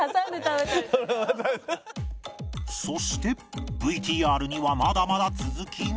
そして ＶＴＲ にはまだまだ続きが